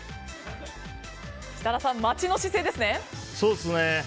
設楽さん、待ちの姿勢ですね。